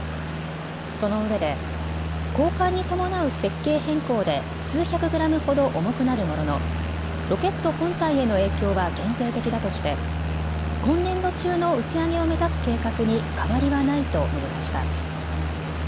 そのうえで交換に伴う設計変更で数百グラムほど重くなるもののロケット本体への影響は限定的だとして今年度中の打ち上げを目指す計画に変わりはないと述べました。